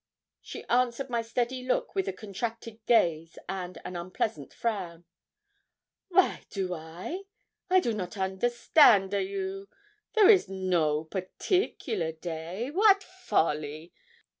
She answered my steady look with a contracted gaze and an unpleasant frown. 'Wy do I? I do not understand a you; there is no particular day wat folly!